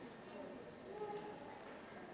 กรรมการท่านที่ห้าได้แก่กรรมการใหม่เลขเก้า